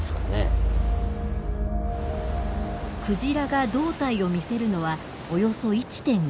鯨が胴体を見せるのはおよそ１．５秒。